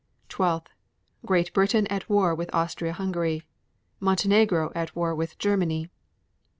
12. Great Britain at war with Austria Hungary. 12. Montenegro at war with Germany.